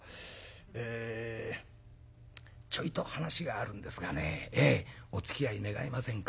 ええちょいと話があるんですがねおつきあい願えませんか？